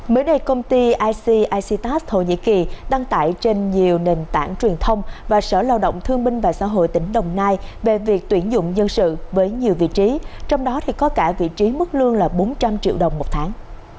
mới đây công ty icictas thổ nhĩ kỳ đăng tải trên nhiều nền tảng truyền thông và sở lao động thương minh và xã hội tỉnh đồng nai về việc tuyển dụng nhân sự với nhiều vị trí trong đó có cả vị trí mức lương là bốn trăm linh triệu đồng một tháng